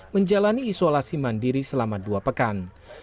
menjalani isolasi mandiri selama dua pekan